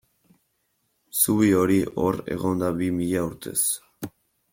Zubi hori hor egon da bi mila urtez.